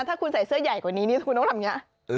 ถ้าคุณใส่เสื้อใหญ่กว่านี้ทุกคนต้องทำงี้